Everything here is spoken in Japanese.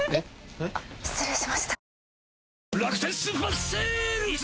あっ失礼しました。